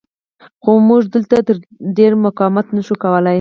خو موږ دلته تر ډېره مقاومت نه شو کولی.